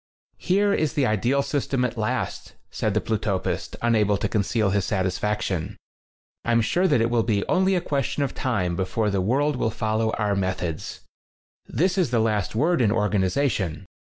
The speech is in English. "Here is the ideal system at last," said the Plutopist, unable to conceal his satisfaction. "I'm sure that it will be only a question of time before the world will follow our methods. This is the last word in organization.